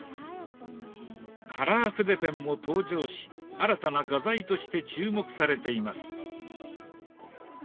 カラー筆ペンも登場し新たな画材として注目されています。